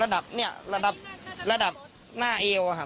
ระดับไม่สูงฮะระดับหน้าเอวนะครับ